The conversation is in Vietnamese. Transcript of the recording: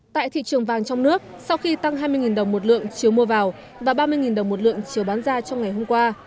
tại thị trường vàng trong nước sau khi tăng hai mươi đồng một lượng chiều mua vào và ba mươi đồng một lượng chiều bán ra trong ngày hôm qua